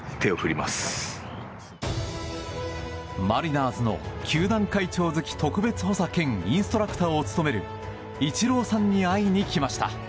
マリナーズの球団会長付特別補佐兼インストラクターを務めるイチローさんに会いに来ました。